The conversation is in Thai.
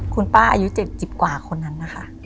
คุณป้าอายุ๗๐กว่าคนนั้นนะคะ